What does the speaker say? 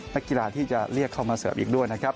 นักกีฬาที่จะเรียกเข้ามาเสริมอีกด้วยนะครับ